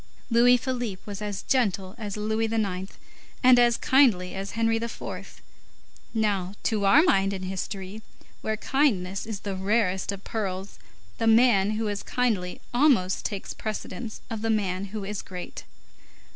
Louis Philippe was as gentle as Louis IX. and as kindly as Henri IV. Now, to our mind, in history, where kindness is the rarest of pearls, the man who is kindly almost takes precedence of the man who is great.